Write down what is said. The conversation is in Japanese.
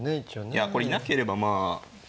いやこれいなければまあ。